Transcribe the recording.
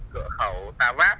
cửa khẩu tà váp